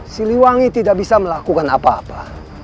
siliwangi tidak bisa melakukan apa apa